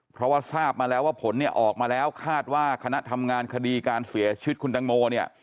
เพราะว่าทราบมาแล้วว่าผลออกมาแล้วคาดว่าคณะทำงานคดีการเสียชคุณดังโม